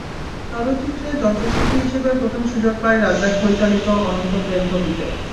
চলচ্চিত্রে যন্ত্রশিল্পী হিসেবে প্রথম সুযোগ পাই রাজ্জাক পরিচালিত অনন্ত প্রেম ছবিতে।